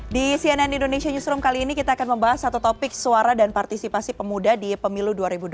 di cnn indonesia newsroom kali ini kita akan membahas satu topik suara dan partisipasi pemuda di pemilu dua ribu dua puluh